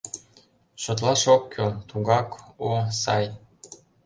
Шотлаш ок кӱл — тугак о, сай!